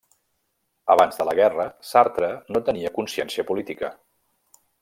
Abans de la guerra, Sartre no tenia consciència política.